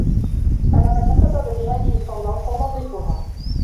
أنا من تسبّب بهذه الفوضى و سأنظّفها.